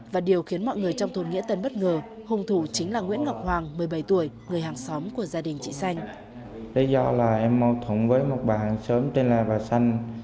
và điều khiến mọi người trong thôn nghĩa tân bất ngờ hùng thủ chính là nguyễn ngọc hoàng một mươi bảy tuổi người hàng xóm của gia đình chị xanh